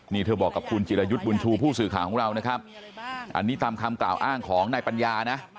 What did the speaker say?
นี่เธอบอกกับคุณจิรายุทธ์บุญชูผู้สื่อข่าวของเรานะครับอันนี้ตามคำกล่าวอ้างของนายปัญญานะ